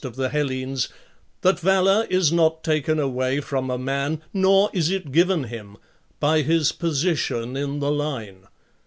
of the Hellenes, that valour is not taken away from a man, nor is it given him, by his position in the line.